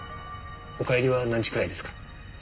お帰りは何時くらいですか？